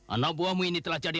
anak buahmu ini telah jadi